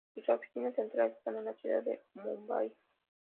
Sus oficinas centrales están en la ciudad de Mumbai.